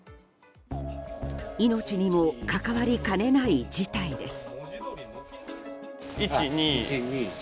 命にも関わりかねない事態です。